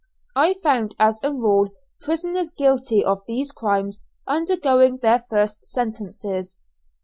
I found as a rule prisoners guilty of these crimes undergoing their first sentences.